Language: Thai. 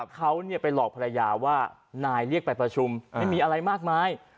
เขาไปหลอกภรรยาว่านายเรียกไปประชุมไม่มีอะไรมากมาย